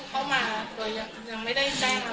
เข้ามาตัวยังไม่ได้แจ้ง